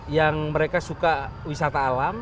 yang mereka suka